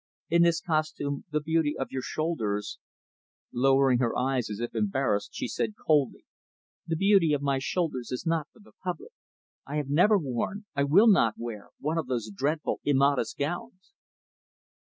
In this costume, the beauty of your shoulders " Lowering her eyes as if embarrassed, she said coldly, "The beauty of my shoulders is not for the public. I have never worn I will not wear one of those dreadful, immodest gowns."